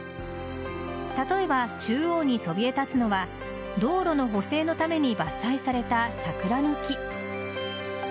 例えば、中央にそびえ立つのは道路の補正のために伐採された桜の木。